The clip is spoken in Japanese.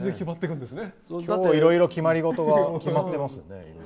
今日、いろいろ決まりごとが決まってますね。